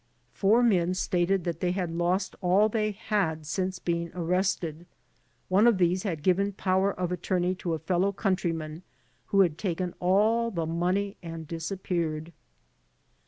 Four men stated that they had lost all they had since being arrested ; one of these had given power of attorney to a fellow countryman who had taken all the money and disappeared.